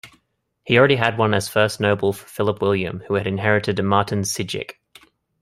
He already had one as First Noble for Philip William, who had inherited Maartensdijk.